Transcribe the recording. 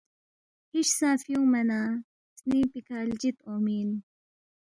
ہِش سا فیونگنہ سنینگ پیکہ لجید اونگمی اِن